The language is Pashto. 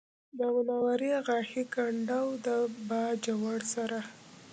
د منورې غاښی کنډو د باجوړ سره